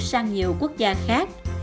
sang nhiều quốc gia khác